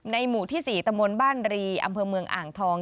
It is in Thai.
หมู่ที่๔ตะมนต์บ้านรีอำเภอเมืองอ่างทอง